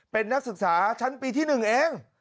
เป็นนักศึกษาชั้นปีที่๑เอง